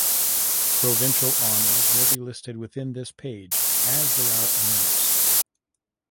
Provincial honours will be listed within this page as they are announced.